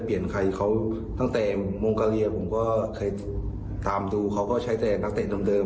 เปลี่ยนใครโหมโกเรียฯมองกาฤก็เคยตามดุเขาก็ใช้นักเตะตามเดิม